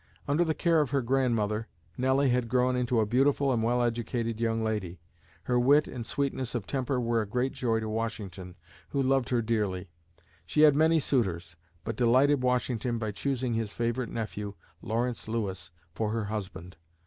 Under the care of her Grandmother, Nelly had grown into a beautiful and well educated young lady. Her wit and sweetness of temper were a great joy to Washington, who loved her dearly. She had many suitors, but delighted Washington by choosing his favorite nephew, Lawrence Lewis, for her husband.